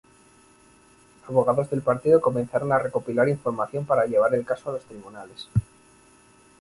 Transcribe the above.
Abogados del partido comenzaron a recopilar información para llevar el caso a los tribunales.